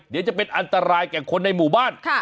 เดี๋ยวจะเป็นอันตรายแก่คนในหมู่บ้าน